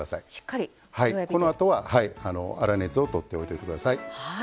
このあとは粗熱を取っておいておいて下さい。